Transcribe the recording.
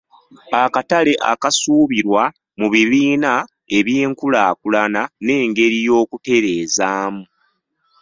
Akatale akasuubirwa mu bibiina ebyenkulaakulana n'engeri y’okutereezaamu.